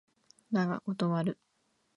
だが断る